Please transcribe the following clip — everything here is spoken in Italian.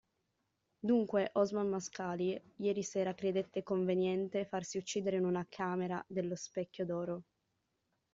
Dunque, Osman Mascali ieri sera credette conveniente farsi uccidere in una camera dello Specchio d'Oro.